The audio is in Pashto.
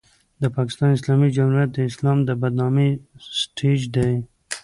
د پاکستان اسلامي جمهوریت د اسلام د بدنامۍ سټېج دی.